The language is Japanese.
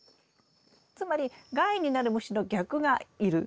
つまり害になる虫の逆がいる。